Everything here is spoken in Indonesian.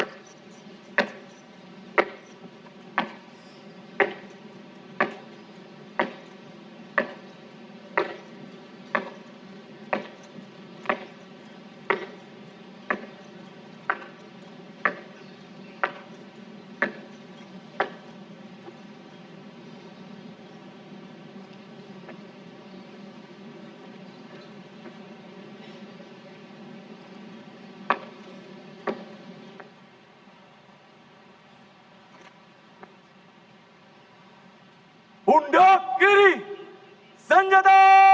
kembali ke tempat